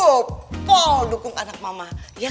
football dukung anak mama